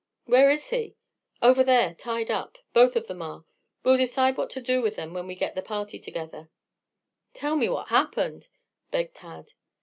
"Where is he?" "Over there, tied up. Both of them are. We'll decide what to do with them when we get the party together." "Tell me what happened," begged Tad.